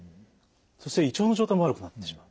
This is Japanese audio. そして胃腸の状態も悪くなってしまう。